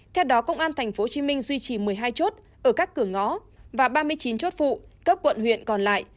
theo đó công an tp hcm duy trì một mươi hai chốt ở các cửa ngõ và ba mươi chín chốt phụ cấp quận huyện còn lại